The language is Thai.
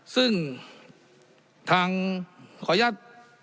ซึ่งทางขออนุญาต